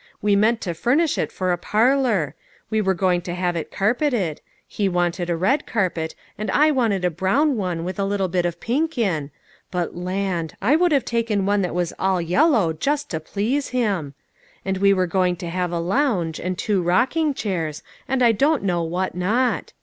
We meant to furnish it for a parlor. We were going to have it carpeted ; he wanted a red carpet, and I wanted a brown one with a little bit of pink in, but land ! I would have taken one that was all yellow, just to please him. And we were going to have a lounge, and two rocking chairs, and I don't know what not.